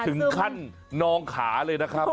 ถึงขั้นนองขาเลยนะครับ